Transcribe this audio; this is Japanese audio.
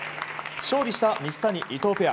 勝利した水谷、伊藤ペア。